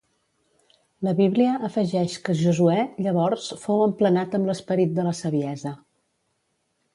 La Bíblia afegeix que Josuè llavors "fou emplenat amb l'esperit de la saviesa".